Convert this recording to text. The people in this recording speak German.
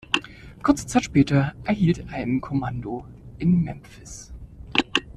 Kurze Zeit später erhielt er ein Kommando in Memphis.